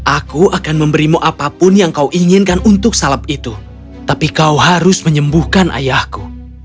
aku akan memberimu apapun yang kau inginkan untuk salep itu tapi kau harus menyembuhkan ayahku